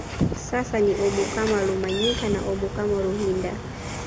Sasa ni omukama Rumanyika na omukama Ruhinda